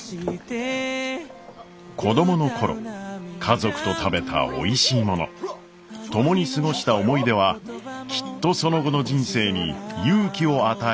子供の頃家族と食べたおいしいもの共に過ごした思い出はきっとその後の人生に勇気を与えてくれるはずです。